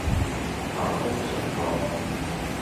校風純樸